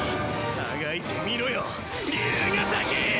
あがいてみろよ竜ヶ崎！！